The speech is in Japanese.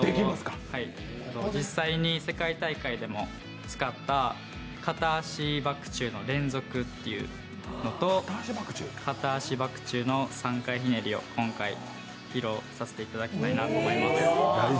実際に世界大会でも使った片足バク宙の連続というのと片足バク宙の３回ひねりを今回披露させていただきたいなと思います。